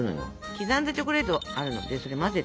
刻んだチョコレートあるのでそれ混ぜてもらって。